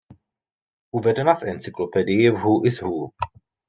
Uvedena v encyklopedii Who is Who.